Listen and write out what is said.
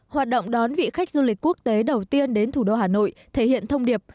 hoạt động đón vị khách du lịch quốc tế đầu tiên đến thủ đô hà nội thể hiện thông điệp